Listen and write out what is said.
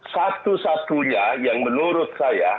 satu satunya yang menurut saya